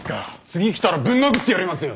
次来たらぶん殴ってやりますよ！